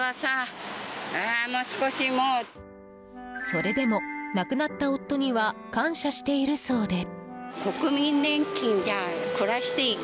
それでも亡くなった夫には感謝しているそうで。